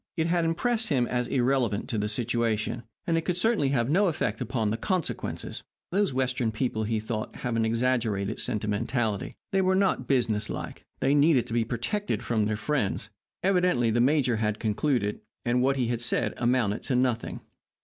It had impressed him as irrelevant to the situation, and it could certainly have no effect upon the consequences. Those Western people, he thought, had an exaggerated sentimentality. They were not business like. They needed to be protected from their friends. Evidently the major had concluded. And what he had said amounted to nothing.